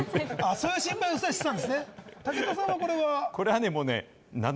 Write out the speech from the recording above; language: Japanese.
そういう心配してたんですね。